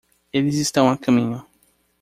Eles estão a caminho.